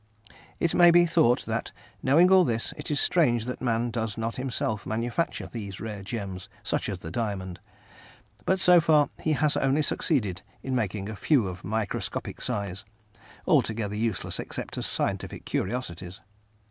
It may be thought that, knowing all this, it is strange that man does not himself manufacture these rare gems, such as the diamond, but so far he has only succeeded in making a few of microscopic size, altogether useless except as scientific curiosities.